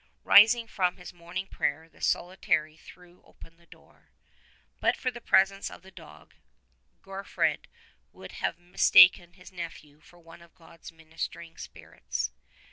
Rising from his morning prayer the solitary threw open the door. But for the presence of the dog, Gorfoed would have mis taken his nephew for one of God's ministering spirits.